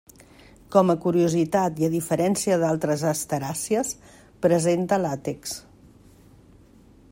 Com a curiositat i a diferència d'altres asteràcies, presenta làtex.